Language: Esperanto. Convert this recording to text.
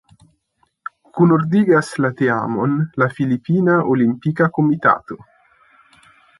Kunordigas la teamon la Filipina Olimpika Komitato.